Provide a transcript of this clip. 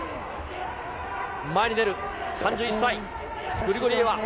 前に出る、３１歳、グリゴルイエワ。